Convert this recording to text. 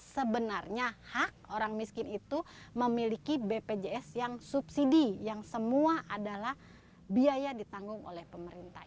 sebenarnya hak orang miskin itu memiliki bpjs yang subsidi yang semua adalah biaya ditanggung oleh pemerintah